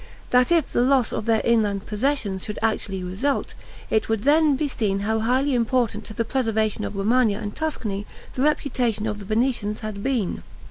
That if the loss of their inland possessions should actually result, it would then be seen how highly important to the preservation of Romagna and Tuscany the reputation of the Venetians had been.